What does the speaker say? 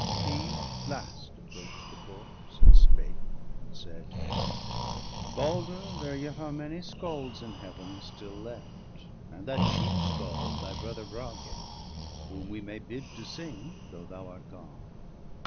He last approach'd the corpse, and spake, and said :—' Balder, there yet are many Scalds in Heaven Still left, and that chief Scald, thy brother Brage, Whom we may bid to sing, though thou art gone.